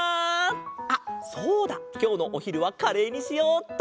あっそうだきょうのおひるはカレーにしようっと。